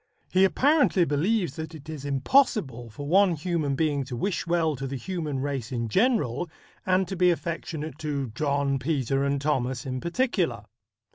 He apparently believes that it is impossible for one human being to wish well to the human race in general, and to be affectionate to John, Peter and Thomas in particular.